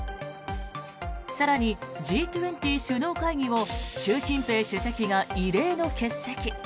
更にＧ２０首脳会議を習近平主席が異例の欠席。